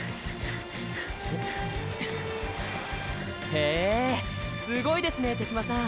へえすごいですね手嶋さん。